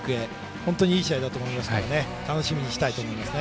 本当にいい試合になると思いますから楽しみにしたいですね。